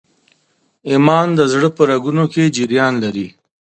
ایمان د زړه په رګونو کي جریان لري.